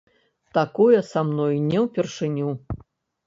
Такое са мной не ўпершыню.